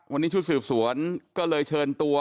วันนี้ชุดสืบสวนก็เลยเชิญตัว